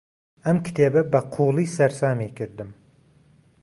ئەم کتێبە بەقووڵی سەرسامی کردم.